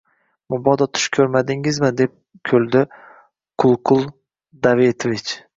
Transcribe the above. – Mabodo tush ko‘rmadingizmi? – deb kuldi Qulqul Davedivich